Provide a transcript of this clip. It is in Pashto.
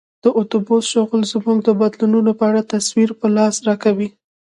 د اتیوس شغل موږ ته د بدلونونو په اړه تصویر په لاس راکوي